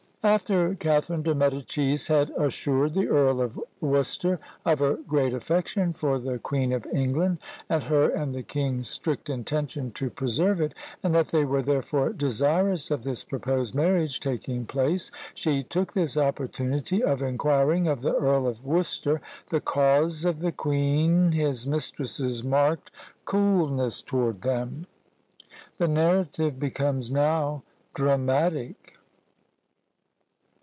After Catharine de Medicis had assured the Earl of Worcester of her great affection for the Queen of England, and her and the king's strict intention to preserve it, and that they were therefore desirous of this proposed marriage taking place, she took this opportunity of inquiring of the Earl of Worcester the cause of the queen his mistress's marked coolness toward them. The narrative becomes now dramatic.